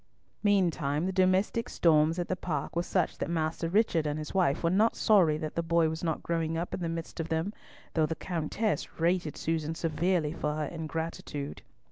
Meantime the domestic storms at the park were such that Master Richard and his wife were not sorry that the boy was not growing up in the midst of them, though the Countess rated Susan severely for her ingratitude.